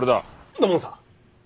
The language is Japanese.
土門さん